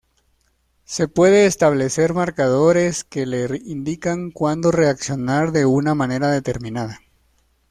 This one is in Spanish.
Se puede establecer marcadores que le indican cuándo reaccionar de una manera determinada.